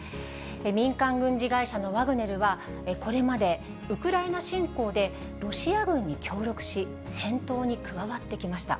民間軍事会社のワグネルは、これまでウクライナ侵攻でロシア軍に協力し、戦闘に加わってきました。